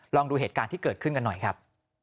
ลองดูเหตุการณ์ที่เกิดขึ้นกันหน่อยครับ